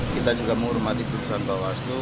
kita juga menghormati keputusan bawaslu